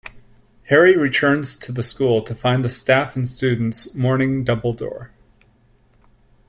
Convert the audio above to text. Harry returns to the school to find the staff and students mourning Dumbledore.